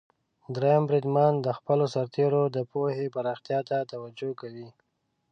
دریم بریدمن د خپلو سرتیرو د پوهې پراختیا ته توجه کوي.